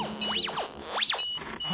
あ！